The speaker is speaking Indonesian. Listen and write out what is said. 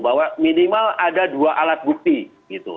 bahwa minimal ada dua alat bukti gitu